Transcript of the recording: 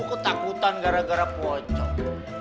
ketakutan gara gara pocong